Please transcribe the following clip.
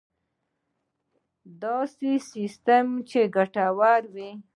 داسې سیستم چې ګټور وي.